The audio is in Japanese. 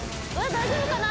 大丈夫かな？